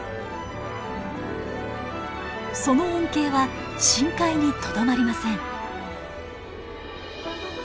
その恩恵は深海にとどまりません。